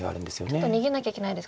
ちょっと逃げなきゃいけないですか。